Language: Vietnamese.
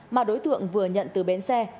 mà đối tượng vừa nhận từ bến xe